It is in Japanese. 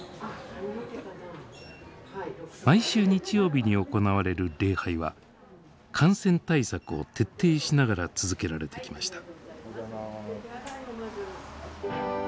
毎週日曜日に行われる礼拝は感染対策を徹底しながら続けられてきました。